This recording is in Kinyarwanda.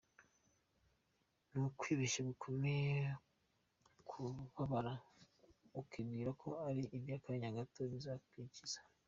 Ni ukwibeshya gukomeye kubabara ukibwira ko ari aby’akanya gato bizakwikiza.